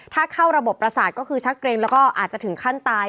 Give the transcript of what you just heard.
ถ้าเข้าระบบประสาทก็คือชักเกรงแล้วก็อาจจะถึงขั้นตาย